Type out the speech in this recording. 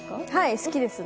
好きですね。